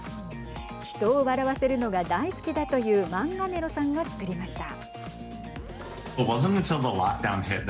人を笑わせるのが大好きだというマンガネロさんが作りました。